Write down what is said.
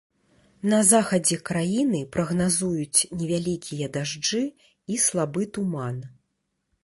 На захадзе краіны прагназуюць невялікія дажджы і слабы туман.